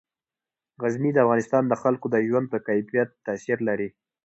غزني د افغانستان د خلکو د ژوند په کیفیت تاثیر لري.